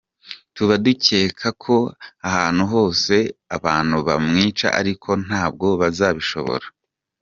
Tuba dukeka ko ahantu hose abo bantu bamwica ariko ntabwo bazabishobora.